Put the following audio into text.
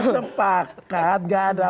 sepakat gak ada